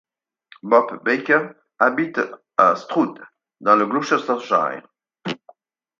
Bob Baker habite à Stroud dans le Gloucestershire.